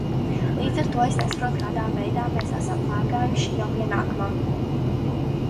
Līdz ar to es nesaprotu, kādā veidā mēs esam pārgājuši jau pie nākamā.